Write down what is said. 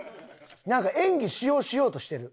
なんか演技しようしようとしてる。